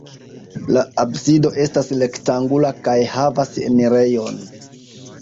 La absido estas rektangula kaj havas enirejon.